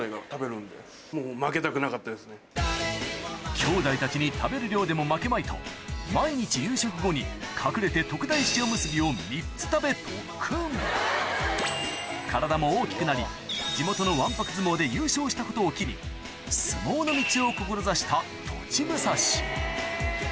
きょうだいたちに食べる量でも負けまいと毎日夕食後に隠れて特大塩むすびを３つ食べ特訓体も大きくなり地元のわんぱく相撲で優勝したことを機に相撲の道を志した栃武蔵